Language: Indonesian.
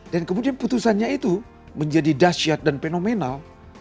dan kemudian putusannya itu menjadi dasyat dan fenomenal